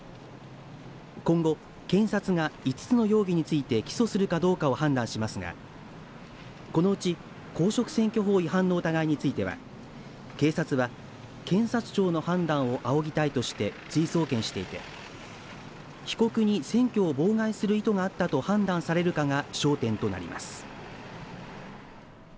今後検察が５つの容疑について起訴するかどうかを判断しますがこのうち公職選挙法違反の疑いについては警察は検察庁の判断を仰ぎたいとして追送検していて被告に選挙を妨害する意図があったと判断されるかが焦点となります。